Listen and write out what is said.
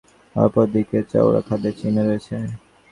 দুর্গটির পূর্বদিকে করতোয়া নদী এবং অপর তিন দিকে চওড়া খাদের চিহ্ন রয়েছে।